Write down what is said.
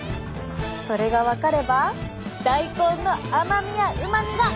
それが分かれば大根の甘みやうまみが。